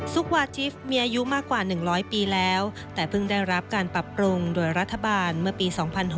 วาจิฟต์มีอายุมากกว่า๑๐๐ปีแล้วแต่เพิ่งได้รับการปรับปรุงโดยรัฐบาลเมื่อปี๒๕๖๐